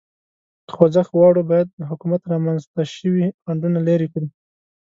که خوځښت غواړو، باید د حکومت رامنځ ته شوي خنډونه لرې کړو.